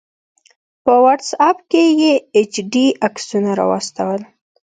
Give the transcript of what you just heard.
په واټس آپ کې یې ایچ ډي عکسونه راواستول